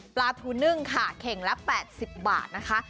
ปลาทูนึ่งค่ะเข่งละ๘๐บาทนะคะ